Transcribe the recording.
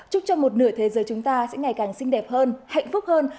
chúc cho một nửa thế giới chúng ta sẽ ngày càng xinh đẹp hơn hạnh phúc hơn